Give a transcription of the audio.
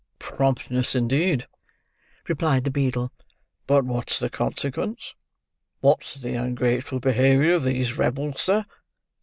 "Promptness, indeed!" replied the beadle. "But what's the consequence; what's the ungrateful behaviour of these rebels, sir?